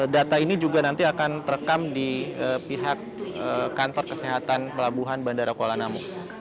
data ini juga nanti akan terekam di pihak kantor kesehatan pelabuhan bandara kuala namu